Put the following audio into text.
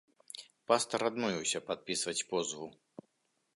Пастар адмовіўся падпісваць позву.